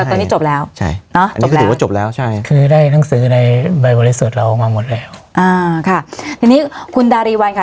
แต่ตอนนี้จบแล้วใช่เนอะจบแล้วใช่คือได้หนังสือในใบบริษัทเราออกมาหมดแล้วอ่าค่ะทีนี้คุณดารีวัลค่ะ